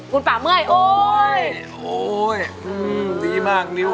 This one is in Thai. คุณป่าเมื่อยโอ๊ยโอ๊ยดีมากนิ้ว